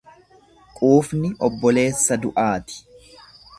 Quufni obboleessa du'aati.